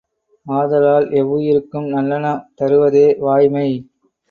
ஆதலால் எவ்வுயிர்க்கும் நல்லன தருவதே வாய்மை.